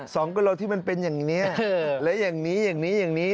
สองกิโลเมตรที่มันเป็นอย่างนี้อีกนี้อยอย่างนี้เนี่ย